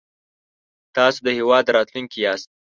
تاسو د هېواد راتلونکی ياست